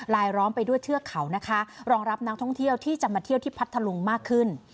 ล้อมไปด้วยเทือกเขานะคะรองรับนักท่องเที่ยวที่จะมาเที่ยวที่พัทธลุงมากขึ้น